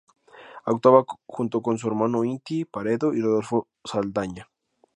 Actuaba junto con su hermano Inti Peredo y Rodolfo Saldaña.